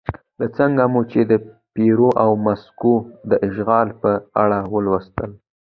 لکه څنګه مو چې د پیرو او مکسیکو د اشغال په اړه ولوستل.